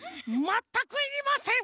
まったくいりません。